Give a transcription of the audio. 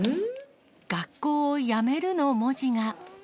学校をやめるの文字が。